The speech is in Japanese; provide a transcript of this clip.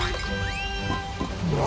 うわ！